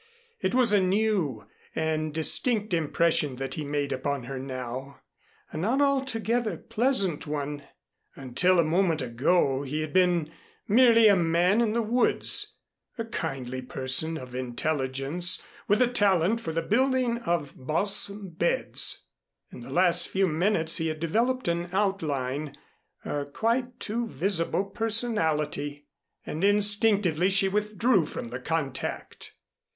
It was a new and distinct impression that he made upon her now a not altogether pleasant one. Until a moment ago, he had been merely a man in the woods a kindly person of intelligence with a talent for the building of balsam beds; in the last few minutes he had developed an outline, a quite too visible personality, and instinctively she withdrew from the contact.